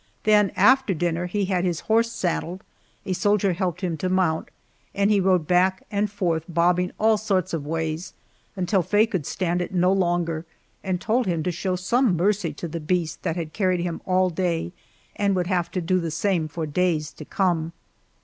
Then after dinner he had his horse saddled, a soldier helped him to mount, and he rode back and forth bobbing all sorts of ways, until Faye could stand it no longer and told him to show some mercy to the beast that had carried him all day, and would have to do the same for days to come.